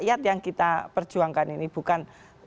rakyat yang kita perjuangkan ini bukan